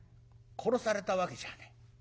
殺されたわけじゃねえ。